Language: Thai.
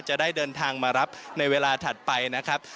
จะได้เดินทางมารับในเวลาถัดไปนะครับ